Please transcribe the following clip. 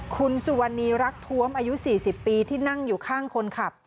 คุณสุวรรณีรักท้วมอายุ๔๐ปีที่นั่งอยู่ข้างคนขับ